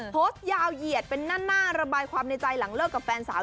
โพสต์ยาวเหยียดเป็นหน้าระบายความในใจหลังเลิกกับแฟนสาว